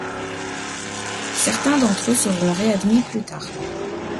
Certains d'entre eux seront réadmis plus tard.